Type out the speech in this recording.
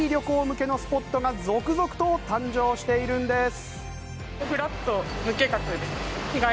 向けのスポットが続々と誕生しているんです。